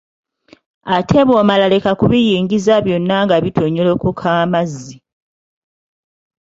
Ate bw‘omala leka kubiyingiza byonna nga bitonyolokoka amazzi.